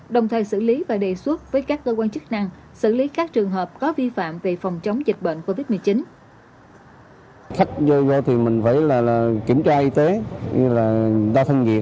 đồng thời xử lý và đề xuất với các cơ quan chức năng xử lý các trường hợp có vi phạm về phòng chống dịch bệnh covid một mươi chín